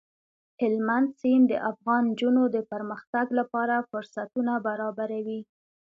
هلمند سیند د افغان نجونو د پرمختګ لپاره فرصتونه برابروي.